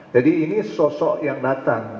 jadi ini sosok yang datang